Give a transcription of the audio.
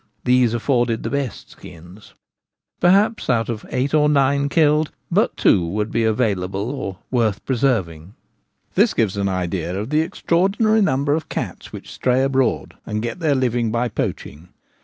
These afforded the best skins ; perhaps out of eight or nine killed but two would be available or worth preserving. This gives an idea of the extraordinary number of cats which stray abroad and get their living by poaching.